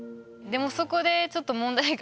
でもそこでちょっと問題があって。